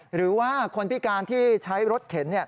หรือว่าคนพิการที่ใช้รถเข็น